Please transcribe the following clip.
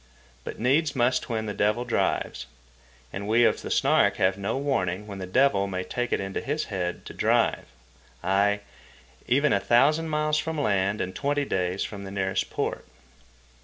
But needs must when the devil drives, and we of the Snark have no warning when the devil may take it into his head to drive, ay, even a thousand miles from land and twenty days from the nearest port.